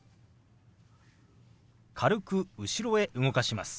軽く後ろへ動かします。